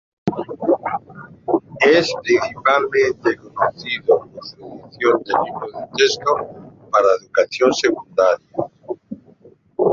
Es principalmente conocido por su edición de libros de texto para educación secundaria.